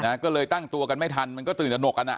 ก็เลยตั้งตัวกันไม่ทันมันก็ตื่นตนกกันอ่ะ